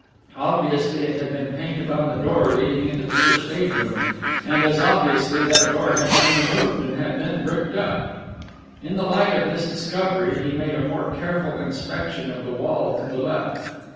Obviously it had been painted on the door leading into the first aid room and as obviously that door had been removed and had been bricked up. In the light of this discovery he made a more careful inspection of the wall to the left.